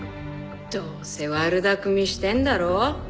どうせ悪巧みしてんだろ？